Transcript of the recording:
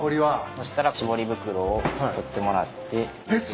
そしたら絞り袋を取ってもらって。